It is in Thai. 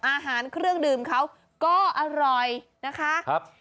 อาหารเครื่องดื่มเขาก็อร่อยนะคะครับ